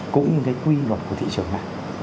cũng như cái quy luật của thị trường này